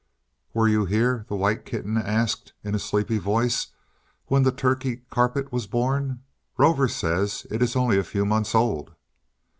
"Were you here," the white kitten asked, in a sleepy voice, "when the Turkey carpet was born? Rover says it is only a few months old."